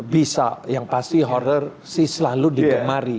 bisa yang pasti horror sih selalu digemari